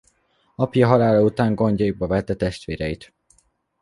Apja halála után gondjaiba vette testvéreit.